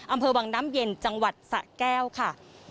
อำเภอวังน้ำเย็นจังหวัดสะแก้วค่ะ